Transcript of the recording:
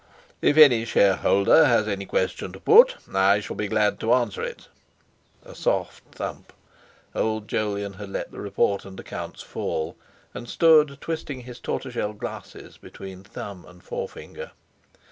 .... "If any shareholder has any question to put, I shall be glad to answer it." A soft thump. Old Jolyon had let the report and accounts fall, and stood twisting his tortoise shell glasses between thumb and forefinger.